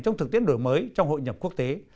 trong thực tiễn đổi mới trong hội nhập quốc tế